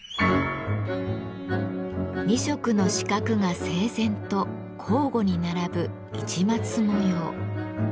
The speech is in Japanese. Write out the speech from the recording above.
２色の四角が整然と交互に並ぶ市松模様。